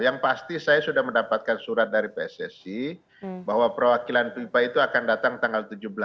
yang pasti saya sudah mendapatkan surat dari pssi bahwa perwakilan fifa itu akan datang tanggal tujuh belas